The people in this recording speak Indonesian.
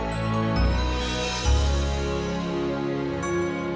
sampai jumpa lagi